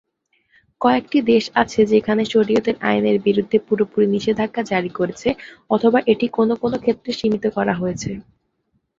কয়েকটি দেশ আছে যেখানে শরিয়তের আইনের বিরুদ্ধে পুরোপুরি নিষেধাজ্ঞা জারি করেছে, অথবা এটি কোনও কোনও ক্ষেত্রে সীমিত করা হয়েছে।